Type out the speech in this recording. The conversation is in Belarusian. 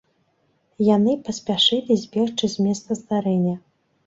Яны паспяшылі збегчы з месца здарэння.